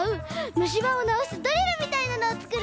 むしばをなおすドリルみたいなのをつくるね。